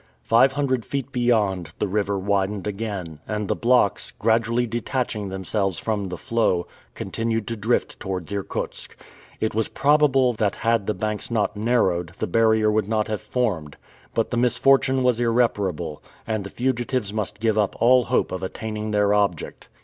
Five hundred feet beyond, the river widened again, and the blocks, gradually detaching themselves from the floe, continued to drift towards Irkutsk. It was probable that had the banks not narrowed, the barrier would not have formed. But the misfortune was irreparable, and the fugitives must give up all hope of attaining their object.